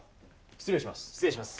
失礼します。